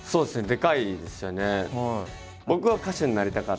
でかいですよね。